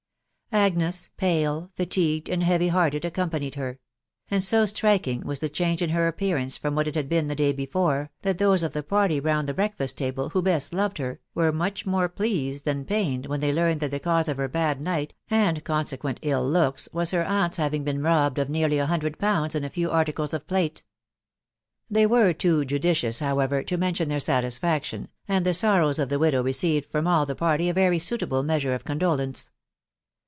Agnes, pale, fatigued, and heavy hearted, accompanied her; and so striking was the change in her appearance from what it had been the day before, that those of the party round the breakfast table, who best loved her, were much more pleased than pained, when they learned that the cause of her bad night and consequent ill looks was her aunt's having been robbed of nearly a hundred pounds and a few articles of plate* They were too judicious, however, to mention their satisfac tion, and the sorrows of the widow received from all the party a very suitable measure of condolence.